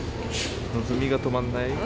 のぞみが止まんない。